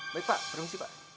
baik pak berhenti pak